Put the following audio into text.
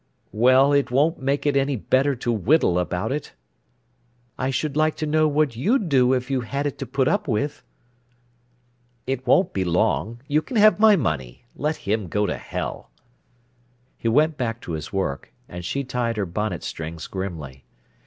"Well, it won't make it any better to whittle about it." "I should like to know what you'd do if you had it to put up with." "It won't be long. You can have my money. Let him go to hell." He went back to his work, and she tied her bonnet strings grimly.